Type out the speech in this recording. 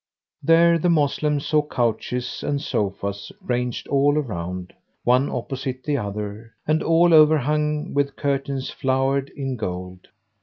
There the Moslem saw couches and sofas ranged all around, one opposite the other and all overhung with curtains flowered in gold.